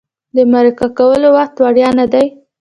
د مرکه کولو وخت وړیا نه دی.